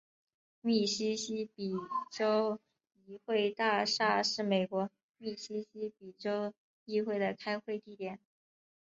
密西西比州议会大厦是美国密西西比州议会的开会地点。